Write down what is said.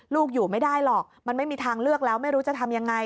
ลูกอยู่ไม่ได้หรอกมันไม่มีทางเลือกแล้วไม่รู้จะทำยังไง